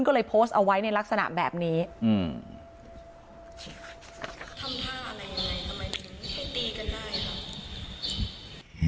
ก็เลยโพสเอาไว้ในลักษณะแบบนี้อืม